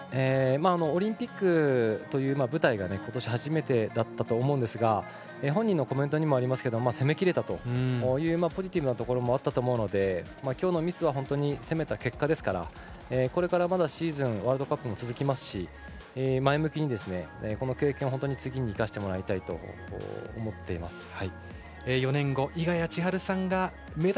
オリンピックという舞台がことし初めてだったと思うんですが本人のコメントにもありますが攻め切れたというポジティブなところもあったと思うのできょうのミスは攻めた結果ですからこれからまだシーズンワールドカップも続きますし前向きにこの経験を次に生かしてほしいと思っています。